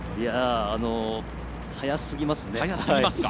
速すぎますね。